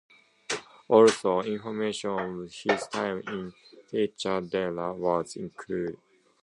Also information of his time in Teachta Dala was included.